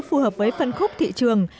phù hợp với phân khúc thị trường